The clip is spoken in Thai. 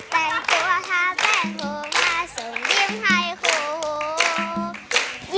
เป็นตัวขาแดงหู